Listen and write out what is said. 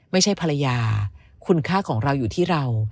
ไม่ใช่ภรรยาคุณค่าของเราอยู่ที่เรา